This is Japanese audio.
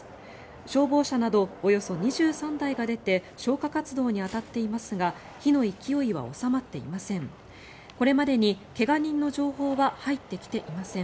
消防車などおよそ２３台が出て消火活動に当たっていますが火の勢いは収まっていません。